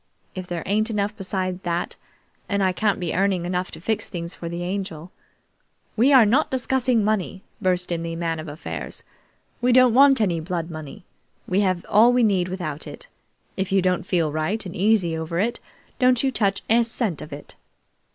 If there ain't enough besides that, and I can't be earning enough to fix things for the Angel " "We are not discussing money!" burst in the Man of Affairs. "We don't want any blood money! We have all we need without it. If you don't feel right and easy over it, don't you touch a cent of any of it."